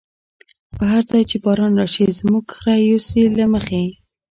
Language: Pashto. په هر ځای چی باران راشی، زمونږ خره یوسی له مخی